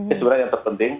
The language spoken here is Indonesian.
ini sebenarnya yang terpenting